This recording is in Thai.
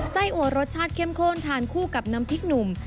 อัวรสชาติเข้มข้นทานคู่กับน้ำพริกหนุ่ม